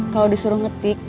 kalau disuruh ngetik